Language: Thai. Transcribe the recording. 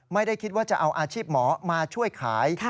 ไม่ได้คิดว่าจะเอาอาชีพหมอมาช่วยขาย